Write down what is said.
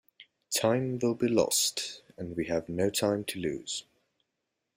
Time will be lost, and we have no time to lose.